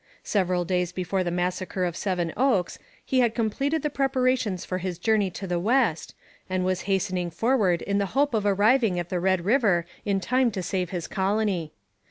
Several days before the massacre of Seven Oaks he had completed the preparations for his journey to the west, and was hastening forward in the hope of arriving at the Red River in time to save his colony.